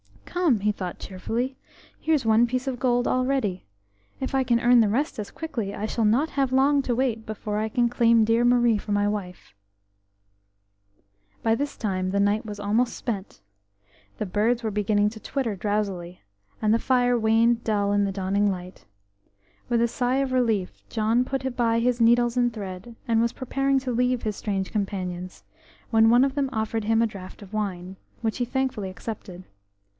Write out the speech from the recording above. "Come," he thought cheerfully, "here's one piece of gold already. If I can earn the rest as quickly I shall not have long to wait before I can claim dear Marie for my wife." By this time the night was almost spent. The birds were beginning to twitter drowsily, and the fire waned dull in the dawning light. With a sigh of relief John put by his needles and thread, and was preparing to leave his strange companions, when one of them offered him a draught of wine, which he thankfully accepted.